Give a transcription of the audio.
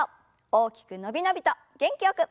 大きく伸び伸びと元気よく。